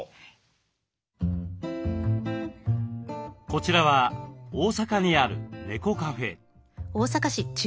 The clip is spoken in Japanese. こちらは大阪にある猫カフェ。